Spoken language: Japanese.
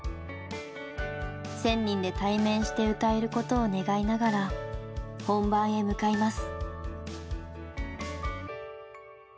１，０００人で対面して歌えることを願いながら本番へ向かいます。